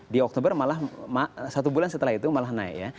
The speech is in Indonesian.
di oktober malah satu bulan setelah itu malah naik ya